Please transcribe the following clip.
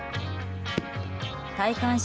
戴冠式